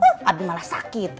wuh abi malah sakit